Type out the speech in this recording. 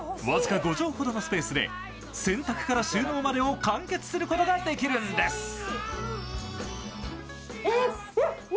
僅か５畳ほどのスペースで洗濯から収納までを完結することができるんです。